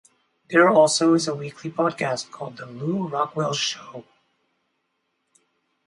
There also is a weekly podcast called the Lew Rockwell Show.